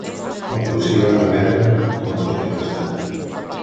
La policia va arremetre contra els manifestants.